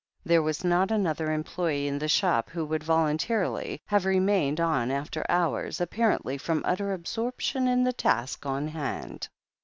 There was not another employee in the shop who would voltm tarily have remained on after hours, apparently from utter absorption in the task on hand.